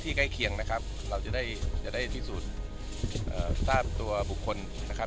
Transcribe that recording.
ที่ใกล้เคียงนะครับเราจะได้ที่สุดสร้างตัวบุคคลนะครับ